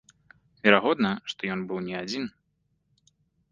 Верагодна, што ён быў не адзін.